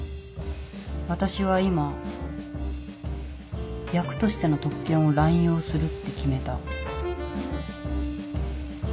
私は今役としての特権を乱用するって決めた。